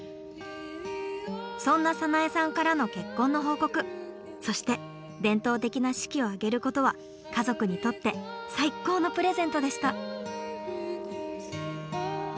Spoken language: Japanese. そんな早苗さんからの結婚の報告そして伝統的な式を挙げることは家族にとって最高のプレゼントでした。